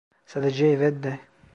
Sadece evet de.